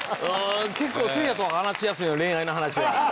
結構せいやとは話しやすいの恋愛の話は。